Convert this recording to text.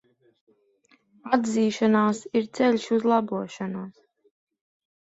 Atzīšanās ir ceļš uz labošanos.